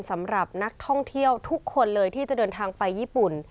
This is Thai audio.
สำหรับนักท่องเที่ยวทุกคนเลยที่จะเดินทางไปญี่ปุ่น